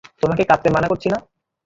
তোমাকে কাঁদতে মানা করছি না?